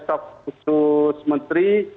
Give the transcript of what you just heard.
staf khusus menteri